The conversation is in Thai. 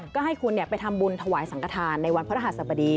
ก็ให้คุณไปทำบุญถวายสังกฐานในวันพระรหัสบดี